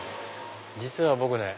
実は僕ね